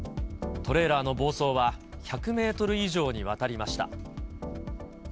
トレーラーの暴走は１００メートル以上にわたりました。